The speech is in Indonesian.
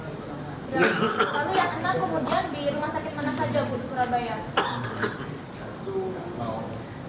lalu yang enam kemudian di rumah sakit mana saja bu di surabaya